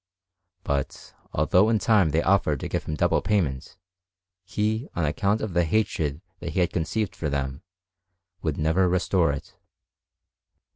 But, although in time they offered to give him double payment, he, on account of the hatred that he had conceived for them, would never restore it.